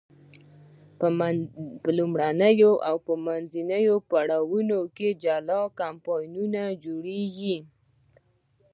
په لومړنیو او منځنیو پړاوونو کې جلا کمپاینونه جوړیږي.